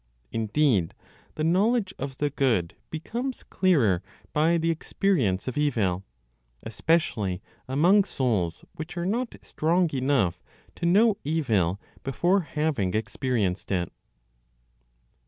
Indeed the knowledge of the good becomes clearer by the experience of evil, especially among souls which are not strong enough to know evil before having experienced it.